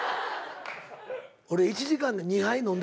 俺１時間で２杯飲んだことない。